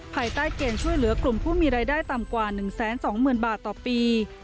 ภายใต้เกณฑ์ช่วยเหลือกลุ่มผู้มีรายได้ต่ำกว่า๑๒๐๐๐บาทต่อปี